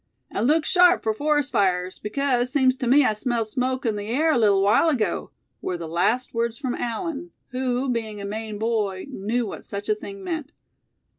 "And look sharp for forest fires, because, seems to me I smelled smoke in the air a little while ago!" were the last words from Allan, who, being a Maine boy, knew what such a thing meant.